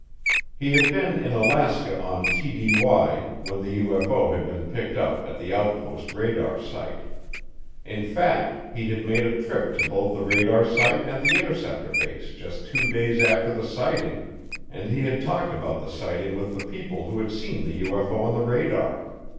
He had been in Alaska on TDY when the UFO had been picked up at the outpost radar site. In fact, he had made a trip to both the radar site and the interceptor base just two days after the sighting, and he had talked about the sighting with the people who had seen the UFO on the radar.